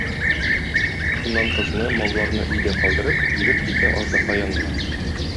Шуннан кызны, малларны өйдә калдырып, егет китә аждаһа янына.